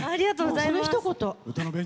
そのひと言。